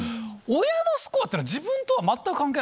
親のスコアっていうのは自分とは全く関係ない。